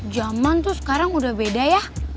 zaman tuh sekarang udah beda ya